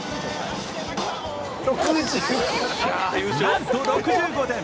なんと６５点。